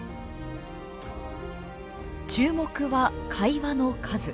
注目は貝輪の数。